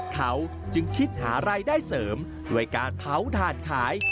เขาจึงคิดหารายได้เสริมด้วยการเผาถ่านขาย